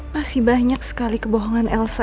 masih banyak sekali kebohongan elsa